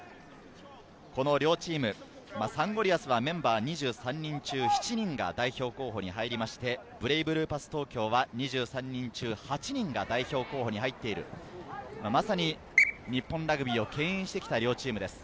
両チーム、サンゴリアスはメンバー２３人中７人が代表候補に入りまして、ブレイブルーパス東京は２３人中８人が代表候補に入っている、まさに日本ラグビーをけん引してきた両チームです。